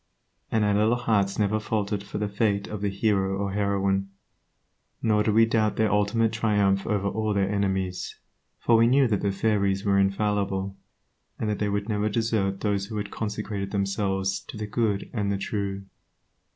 And our little hearts never faltered for the fate of the hero or heroine, nor did we doubt their ultimate triumph over all their enemies, for we knew that the fairies were infallible, and that they would never desert those who had consecrated themselves to the good and the true.